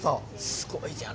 すごいじゃろ？